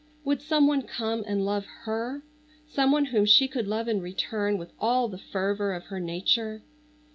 Would some one come and love her? Some one whom she could love in return with all the fervor of her nature?